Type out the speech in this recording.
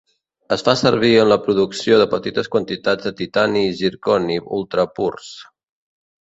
Es fa servir en la producció de petites quantitats de titani i zirconi ultra-purs.